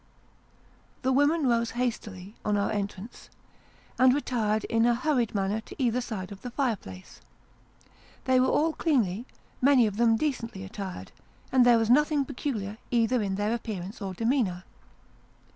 The women rose hastily, on our entrance, and retired in a hurried manner to either side of the fire place. They were all cleanly many 152 Sketches by Boz. of them decently attired, and there was nothing peculiar, either in their appearance or demeanour.